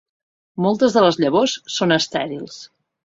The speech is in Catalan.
Moltes de les llavors són estèrils.